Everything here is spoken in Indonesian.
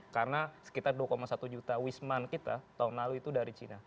karena sekitar dua satu juta wisman kita tahun lalu itu dari cina